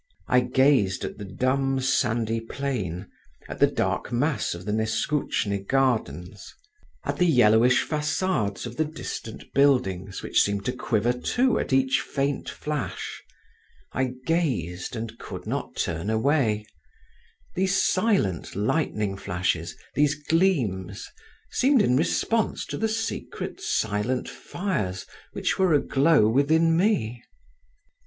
I gazed at the dumb sandy plain, at the dark mass of the Neskutchny gardens, at the yellowish façades of the distant buildings, which seemed to quiver too at each faint flash…. I gazed, and could not turn away; these silent lightning flashes, these gleams seemed in response to the secret silent fires which were aglow within me.